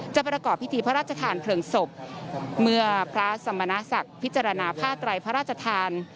ประกอบพิธีพระราชทานเพลิงศพเมื่อพระสมณศักดิ์พิจารณาผ้าไตรพระราชทาน